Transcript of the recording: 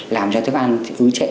làm cho thức ăn ưu trệ